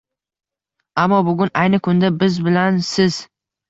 Ammo bugun ayni kunda biz bilan Siz.